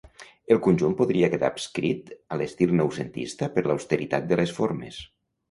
El conjunt podria quedar adscrit a l'estil noucentista per l'austeritat de les formes.